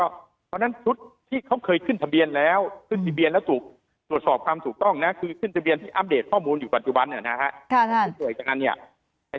เพราะฉะนั้นชุดที่เขาเคยขึ้นทะเบียนแล้วขึ้นทะเบียนแล้วถูกตรวจสอบความถูกต้องนะคือขึ้นทะเบียนที่อัปเดตข้อมูลอยู่ปัจจุบันเนี่ยนะฮะ